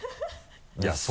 いやそうね。